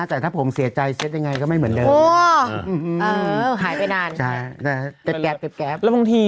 แต่ถ้าผมเสียใจเซตยังไงก็ไม่เหมือนเดิมโอ้หายไปนานใช่แล้วบางทีอะ